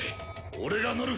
俺が乗る。